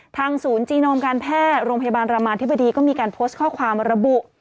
ทางศูนย์จีโนมการแพทย์โรงพยาบาลรามาธิบดีก็มีการโพสต์ข้อความระบุ